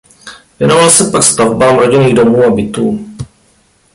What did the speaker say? Věnoval se pak stavbám rodinných domů a bytů.